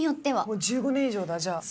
もう１５年以上だじゃあ。